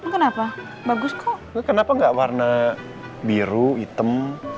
kenapa bagus kau kenapa gak warna biru hitam